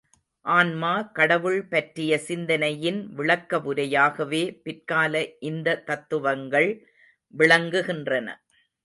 ஆன்மா கடவுள் பற்றிய சிந்தனையின் விளக்கவுரையாகவே பிற்கால இந்த தத்துவங்கள் விளங்குகின்றன.